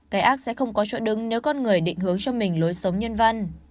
cái ác sẽ không có chỗ đứng nếu con người định hướng cho mình lối sống nhân văn